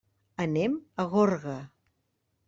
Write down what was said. Anem a Gorga.